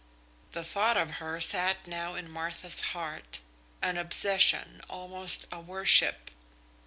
The thought of her sat now in Martha's heart, an obsession, almost a worship.